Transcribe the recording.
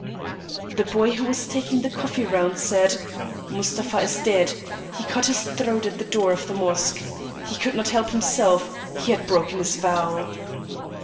The boy who was taking the coffee round said: "Mustapha is dead. He cut his throat at the door of the mosque. He could not help himself. He had broken his vow."